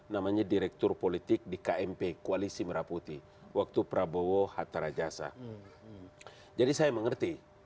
namanya direktur politik di kmp kuali simraputi waktu prabowo hatta rajasa jadi saya mengerti